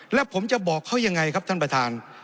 แล้วผมจะบอกเขายังไงครับท่านประธาน